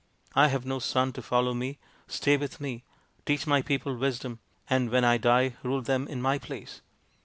I have no son to follow me. Stay with me, teach my people wisdom, and when I die rale them in my place."